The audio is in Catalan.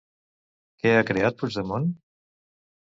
Què ha creat Puigdemont?